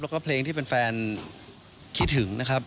แล้วก็เพลงที่แฟนคิดถึงนะครับ